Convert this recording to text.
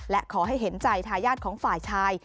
และขอให้เห็นใจทายาทของฝ่ายชาย